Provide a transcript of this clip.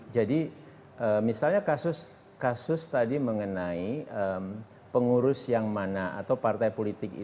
jadi misalnya kasus tadi mengenai pengurus yang mana atau partai politik